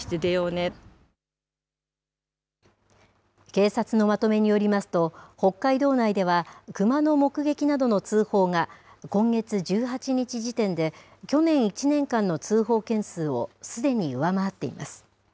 警察のまとめによりますと、北海道内では、クマの目撃などの通報が、今月１８日時点で去年１年間の通報件数をすでに上回っています。